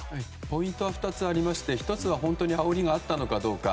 ポイントは２つありまして１つは、本当にあおりがあったのかどうか。